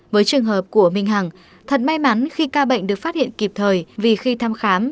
với trường hợp của minh hằng thật may mắn khi ca bệnh được phát hiện kịp thời vì khi thăm khám